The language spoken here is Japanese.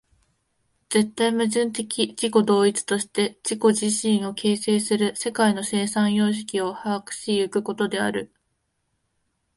絶対矛盾的自己同一として自己自身を形成する世界の生産様式を把握し行くことである。